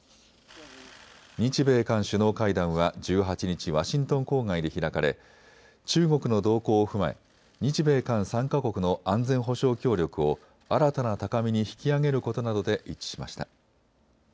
日米韓首脳会談は１８日、ワシントン郊外で開かれ中国の動向を踏まえ日米韓３か国の安全保障協力を新たな高みに引き上げることなどで一致しました。